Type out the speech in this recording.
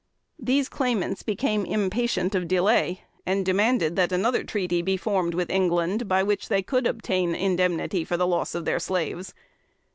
These claimants became impatient of delay, and demanded that another treaty be formed with England, by which they could obtain indemnity for the loss of their slaves.